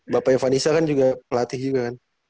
bapaknya vanessa kan juga pelatih juga kan